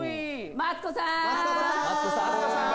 マツコさん！